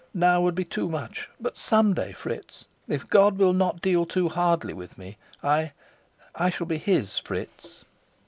Now would be too much. But some day, Fritz, if God will not deal too hardly with me, I I shall be his, Fritz."